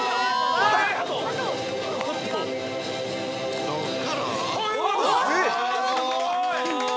◆あすごい！